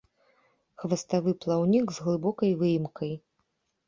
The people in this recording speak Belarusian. Хваставы плаўнік з глыбокай выемкай.